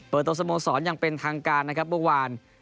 เปิดตัวสโมสรยังเป็นทางการนะครับบวกวาน